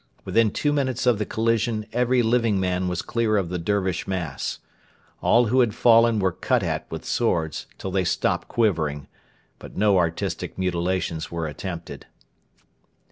Within two minutes of the collision every living man was clear of the Dervish mass. All who had fallen were cut at with swords till they stopped quivering, but no artistic mutilations were attempted.